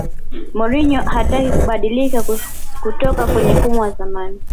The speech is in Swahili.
mourinho hataki kubadilika kutoka kwenye mifumo ya zamani